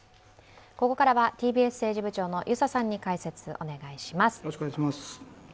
ここからはＴＢＳ政治部長の遊佐さんに解説をお願いします。